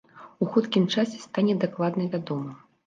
У хуткім часе стане дакладна вядома.